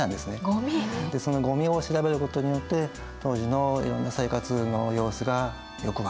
ゴミ！でそのゴミを調べることによって当時のいろんな生活の様子がよく分かってくるってことなんですね。